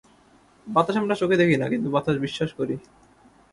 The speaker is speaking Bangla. বাতাস আমরা চোখে দেখি না, কিন্তু বাতাস বিশ্বাস করি।